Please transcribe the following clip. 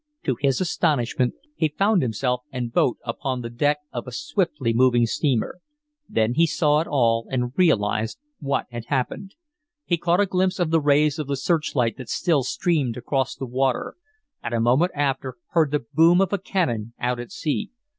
To his astonishment, he found himself and boat upon the deck of a swiftly moving steamer. Then he saw it all, and realized what had happened. He caught a glimpse of the rays of the searchlight that still streamed across the water, and a moment after heard the boom of a cannon out at sea.